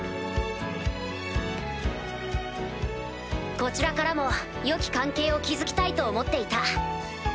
こちらからもよき関係を築きたいと思っていた。